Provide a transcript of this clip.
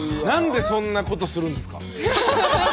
何でそんなことするんですか。